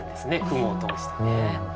雲を通してね。